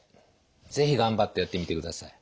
是非頑張ってやってみてください。